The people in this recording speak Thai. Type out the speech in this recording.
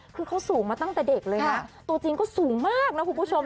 คือเขาสูงมาตั้งแต่เด็กเลยนะตัวจริงก็สูงมากนะคุณผู้ชม